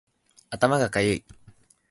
頭がかゆい